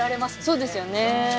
そうですよね